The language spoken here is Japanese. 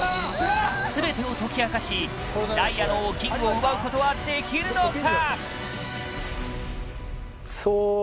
全てを解き明かしダイヤの王「ＫＩＮＧ」を奪うことはできるのか？